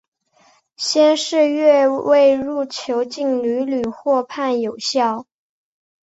先是越位入球竟屡屡获判有效。